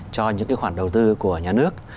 cho những cái khoản đầu tư của nhà nước